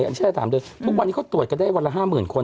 อันนี้ใช่หรือถามด้วยทุกวันนี้เขาตรวจก็ได้วันละ๕๐๐๐๐คน